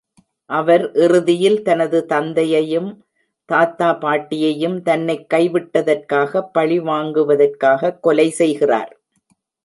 அவர் இறுதியில் தனது தந்தையையும் தாத்தா பாட்டியையும் தன்னைக் கைவிட்டதற்காகப் பழிவாங்குவதற்காகக் கொலை செய்கிறார்.